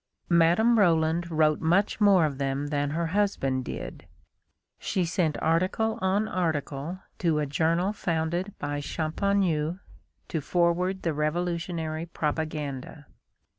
Madame Roland wrote much more of them than her husband did. She sent article on article to a journal founded by Champagneux to forward the revolutionary propaganda.